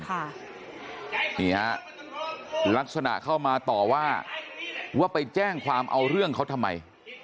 นี่ฮะลักษณะเข้ามาต่อว่าว่าไปแจ้งความเอาเรื่องเขาทำไม